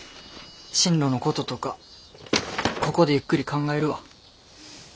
進路のこととかここでゆっくり考えるわ。